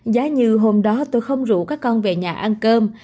giá như hôm đó tôi không rủ các con về nhà ăn cơm